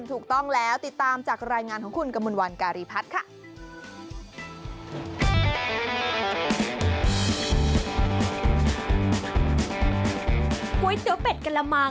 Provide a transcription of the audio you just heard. ถูกต้องแล้วติดตามจากรายงานของคุณกมลวันการีพัฒน์ค่ะ